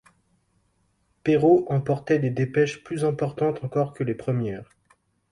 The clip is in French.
Perrault emportait des dépêches plus importantes encore que les premières.